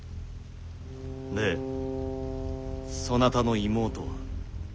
でそなたの妹は？